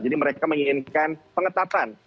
jadi mereka menginginkan pengetatan